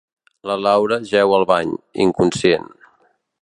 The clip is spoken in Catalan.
La Laura jeu al bany, inconscient.